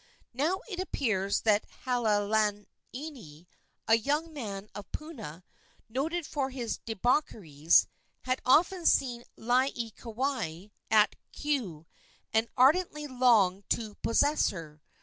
Now, it appears that Halaaniani, a young man of Puna, noted for his debaucheries, had often seen Laieikawai at Keaau, and ardently longed to possess her.